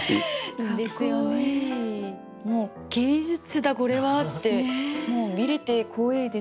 もう「芸術だこれは！」ってもう見れて光栄です。